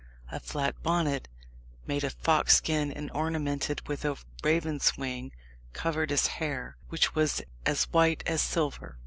A flat bonnet, made of fox skin and ornamented with a raven's wing, covered his hair, which was as white as silver.